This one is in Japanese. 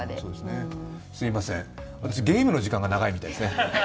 すいません、私ゲームの時間が長いみたいですね。